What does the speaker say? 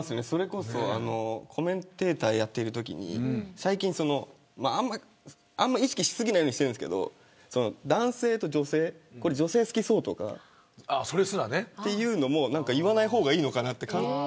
それこそ、コメンテーターやっているときに最近、あんまり意識しすぎないようにしてるんですけど男性と女性、これ女性好きそうとかっていうのも言わない方がいいのかなって。